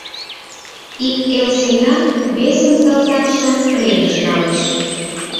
Ик эл сеҥа, весын салтакшым пленыш налеш.